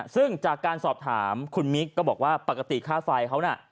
ซึ่งจากการสอบถามคุณมิ๊กก็บอกว่าปกติค่าไฟเขาน่ะ